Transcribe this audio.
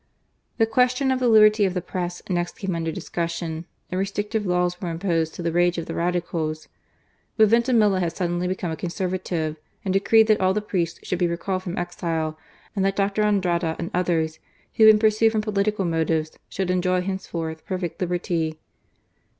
The question of the liberty of the Press next came under discussion, and restrictive laws were imposed, to the rage of the Radicals. But Vintimilla had suddenly become a Conservative, and decreed that all the priests should be recalled from exile, and that Dr. Andrada and others, who had been pursued from political motives, should enjoy henceforth perfect liberty.